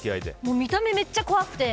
見た目めっちゃ怖くて。